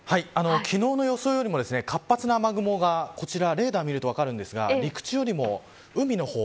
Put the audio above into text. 昨日の予想よりも活発な雨雲がレーダーを見ると分かりますが陸地よりも海の方